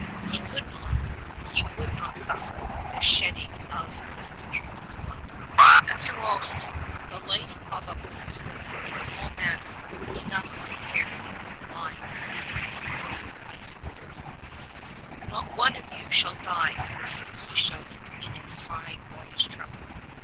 He could not, he would not suffer the shedding of his countrymen's blood. After all, he thought, the life of a boy was a small matter enough compared with the lives of these brave Icelanders, "Not one of you shall die for me," he shouted in his high boyish treble.